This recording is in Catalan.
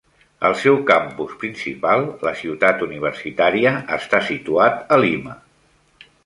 El seu campus principal, la Ciutat Universitària, està situat a Lima.